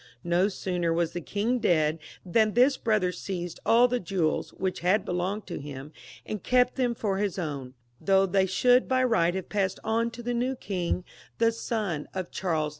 No sooner was the king dead, than this brother seized all the jewels which had belonged to him, and kept them for his own, though they should by rights have passed on to the new king, the son of Charles V.